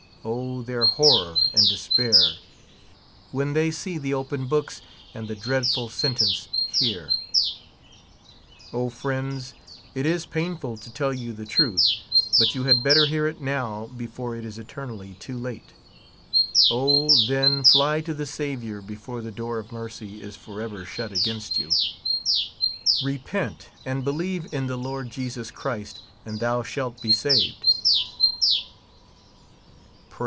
O. their horror and despair. When they see the open books. And the dreadful sentence hear I O, friends, it is painful to tell you the truth, but you had better hear it now before it is eternally too late. O, then, fly to the Saviour before the door of mercy is forever shut against you. Repent and believe in the Lord Jesus Christ, and thou shalt be saved.